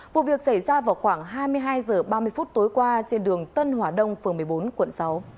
vụ việc xảy ra vào khoảng hai mươi hai h ba mươi phút tối qua trên đường tân hòa đông phường một mươi bốn quận sáu